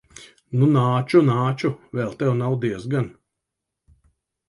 Nu, nāču, nāču. Vēl tev nav diezgan.